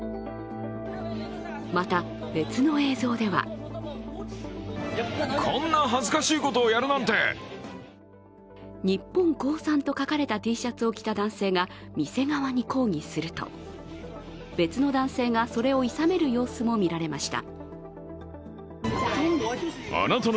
また、別の映像では日本降参と書かれたＴシャツを着た男性が店側に抗議すると別の男性がそれをいさめる様子も見られました。